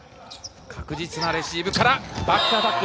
確実なレシーブからバックアタック。